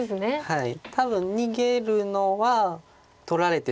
はい。